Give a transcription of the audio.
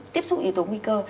tiếp xúc với các yếu tố nguy cơ